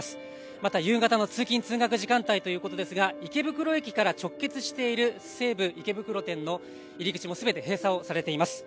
また夕方の通勤通学の時間帯ということですが池袋駅から直結している西武池袋店の入り口もすべて閉鎖されています。